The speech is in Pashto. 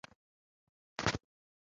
په دواړو صورتونو کې بدبیني راپاروي.